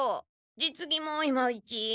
実技もいまいち。